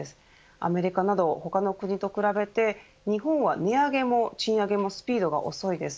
アメリカなど、他の国と比べて日本は値上げも賃上げもスピードが遅いです。